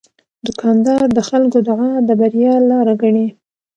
دوکاندار د خلکو دعا د بریا لاره ګڼي.